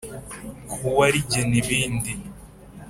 Ku wa rigena ibindi